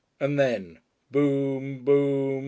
And then ! "Boom.... Boom....